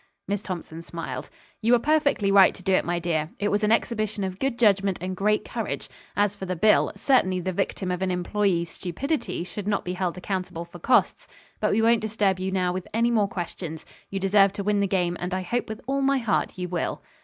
Miss Thompson smiled. "You were perfectly right to do it, my dear. It was an exhibition of good judgment and great courage. As for the bill, certainly the victim of an employé's stupidity should not be held accountable for costs. But we won't disturb you now with any more questions. You deserve to win the game and I hope with all my heart you will."